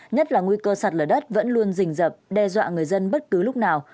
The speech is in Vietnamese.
nhất là nguy cơ sạt lở đất vẫn luôn rình rập đe dọa người dân bất cứ lúc nào